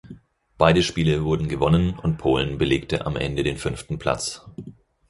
Beide Spiele wurden gewonnen und Polen belegte am Ende den fünften Platz.